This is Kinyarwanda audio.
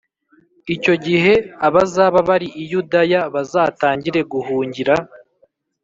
icyo gihe abazaba bari i Yudaya bazatangire guhungira